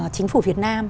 chính phủ việt nam